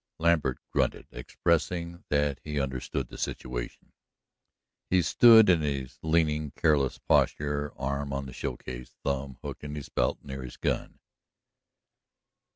Lambert grunted, expressing that he understood the situation. He stood in his leaning, careless posture, arm on the show case, thumb hooked in his belt near his gun.